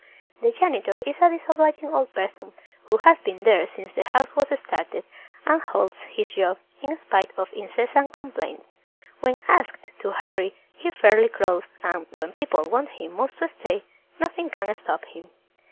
The janitor is a disobliging old person who has been there since the house was started and holds his job, in spite of incessant complaints. When asked to hurry, he fairly crawls and, when people want him most to stay, nothing can stop him.